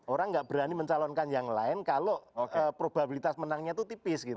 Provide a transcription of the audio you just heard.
orang nggak berani mencalonkan yang lain kalau probabilitas menangnya itu tipis gitu